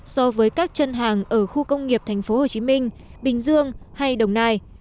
so với các chân hàng ở khu công nghiệp tp hcm bình dương hay đồng nai